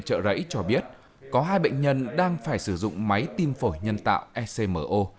trợ rẫy cho biết có hai bệnh nhân đang phải sử dụng máy tim phổi nhân tạo ecmo